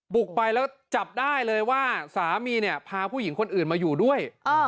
บุกไปแล้วจับได้เลยว่าสามีเนี่ยพาผู้หญิงคนอื่นมาอยู่ด้วย